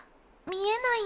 見えない。